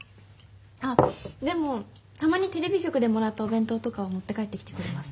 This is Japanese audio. あっでもたまにテレビ局でもらったお弁当とかは持って帰ってきてくれます。